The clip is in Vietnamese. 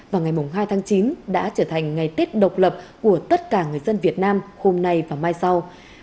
và ngày hai tháng chín đã trở thành ngày tết độc lập của tất cả người dân việt nam hôm nay và mai sau